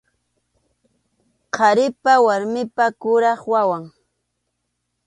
Qharipa warmipa kuraq wawan.